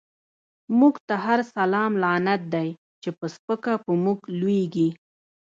مونږ ته هر سلام لعنت دۍ، چی په سپکه په مونږ لویږی